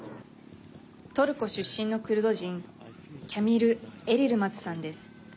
トルコ出身のクルド人キャミル・エリルマズさんです。